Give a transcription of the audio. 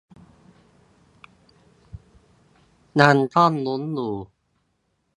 ยังต้องลุ้นอยู่